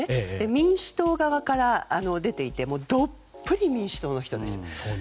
民主党側から出ていてどっぷり民主党の人です。